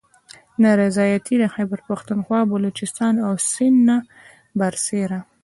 نا رضایتي د خیبر پښتونخواه، بلوچستان او سند نه بر سیره